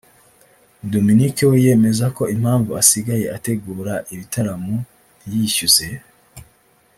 Dominic we yemeza ko impamvu asigaye ategura ibitaramo ntiyishyuze